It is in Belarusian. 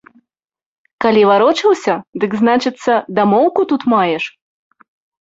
Калі варочаўся, дык, значыцца, дамоўку тут маеш.